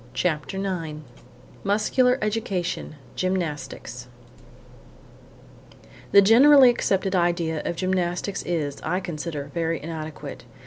CHAPTER IX MUSCULAR EDUCATION–GYMNASTICS THE generally accepted idea of gymnastics is, I consider, very inadequate.